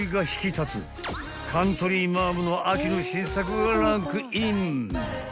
カントリーマアムの秋の新作がランクイン］